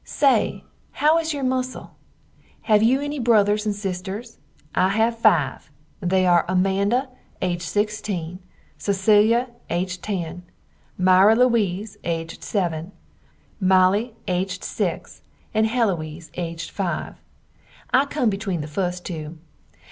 Say how is your mussel? Have you enny brothers and sisters? I have five, they are Amanda aged 16, Cecilia aged 10, Myra Louise aged 7, Molly aged 6, and Heloise aged 5. I come between the fust too.